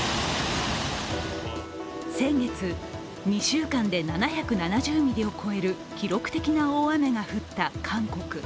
先月、２週間で７７０ミリを超える記録的な大雨が降った韓国。